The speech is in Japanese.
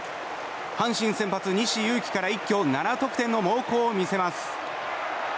阪神先発、西勇輝から一挙７得点の猛攻を見せます。